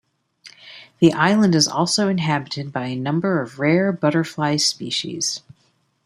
The island is also inhabited by a number of rare butterfly species.